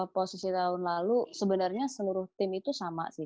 posisi tahun lalu sebenarnya seluruh tim itu sama sih